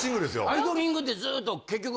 アイドリング！！！ってずっと結局。